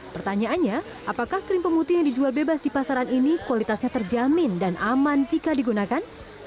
pertanyaannya apakah krim pemutih yang dijual bebas di pasaran ini kualitasnya terjamin dan aman jika digunakan